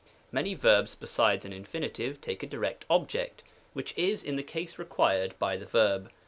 Many verbs besides an Infin. take a direct object, which is in the case required by the verb.